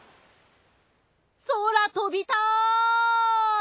空飛びたい！